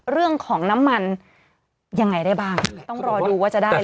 เรื่องของน้ำมันยังไงได้บ้างต้องรอดูว่าจะได้